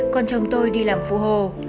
còn chồng tôi đi làm phụ hồ